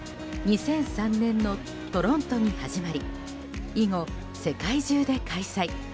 ２００３年のトロントに始まり以後、世界中で開催。